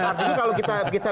artinya kalau kita bisa